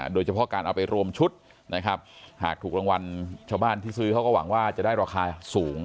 โดยเฉพาะการเอาไปรวมชุดนะครับหากถูกรางวัลชาวบ้านที่ซื้อเขาก็หวังว่าจะได้ราคาสูง